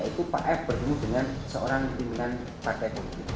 yaitu pak f berjumpa dengan seorang pimpinan partai